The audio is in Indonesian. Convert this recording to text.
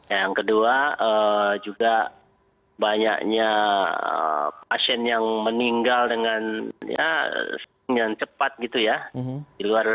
yang kedua juga banyaknya pasien yang meninggal dengan cepat gitu ya